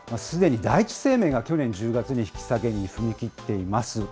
すでに第一生命が去年１０月に引き下げに踏み切っています。